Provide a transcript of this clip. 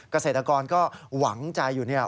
เกษตรกรก็หวังใจอยู่เนี่ย